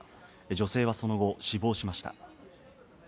女性はその後、死亡しました。